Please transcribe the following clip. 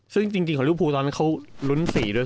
ซึ่งจริงของลิวภูตอนนั้นเขาลุ้น๔ด้วย